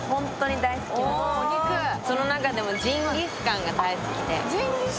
その中でもジンギスカンが大好きで。